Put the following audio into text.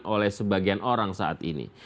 oleh sebagian orang saat ini